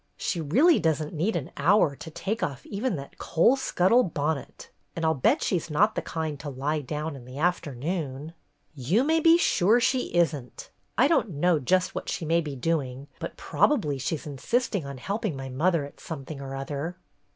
"She really doesn't need an hour to take off even that coal scuttle bonnet, and I 'll bet she 's not the kind to lie down in the afternoon." "You may be sure she is n't. I don't know just what she may be doing, but probably she's insisting on helping my mother at something or other."